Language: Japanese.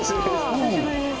お久しぶりです。